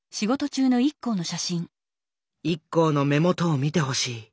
ＩＫＫＯの目元を見てほしい。